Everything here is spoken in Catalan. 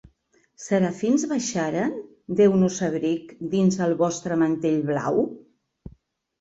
Serafins baixaren, deu-nos abric, dins el vostre mantell blau"?